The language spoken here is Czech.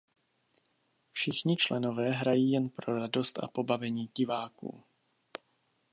Všichni členové hrají jen pro radost a pobavení diváků.